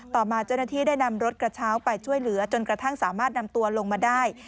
ต่อมาเจ้าหน้าที่ได้นำรถกระเช้าไปช่วยเหลือจนกระทั่งสามารถนำตัวลงมาได้